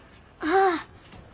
ああ。